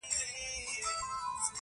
که هر څنګه